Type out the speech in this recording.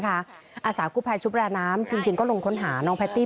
อาสากู้ภัยชุบแรน้ำจริงก็ลงค้นหาน้องแพตตี้